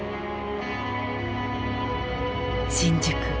新宿